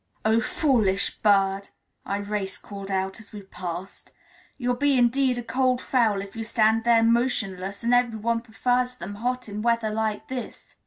"Oh, foolish bird!" Irais called out as we passed; "you'll be indeed a cold fowl if you stand there motionless, and every one prefers them hot in weather like this!"